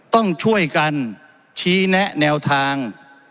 ต้องช่วยกันชี้แนะแนวทาง